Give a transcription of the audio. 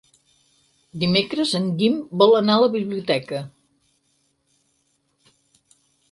Dimecres en Guim vol anar a la biblioteca.